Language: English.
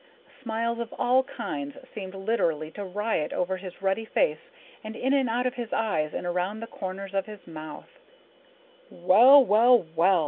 Smiles of all kinds seemed literally to riot over his ruddy face and in and out of his eyes and around the corners of his mouth. "Well, well, well!"